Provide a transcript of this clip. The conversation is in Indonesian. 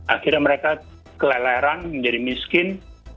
akhirnya mereka keleleran menjadi miskin